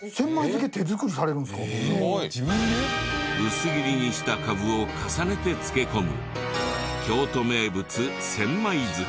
薄切りにしたカブを重ねて漬け込む京都名物千枚漬け。